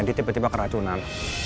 dia tiba tiba keracunan